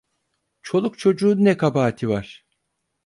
Çoluk çocuğun ne kabahati var!